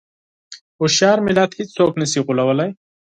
هوښیار ملت هېڅوک نه شي غولوی.